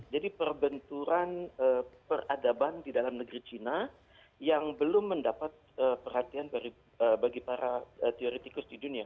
jadi perbenturan peradaban di dalam negeri china yang belum mendapat perhatian bagi para teoretikus di dunia